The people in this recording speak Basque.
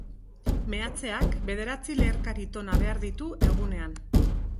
Meatzeak bederatzi leherkari tona behar ditu egunean.